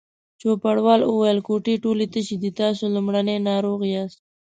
چوپړوال وویل: کوټې ټولې تشې دي، تاسې لومړنی ناروغ یاست.